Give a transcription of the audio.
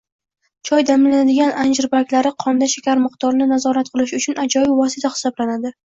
Choy damlanadigan anjir barglari qonda shakar miqdorini nazorat qilish uchun ajoyib vosita hisoblanadi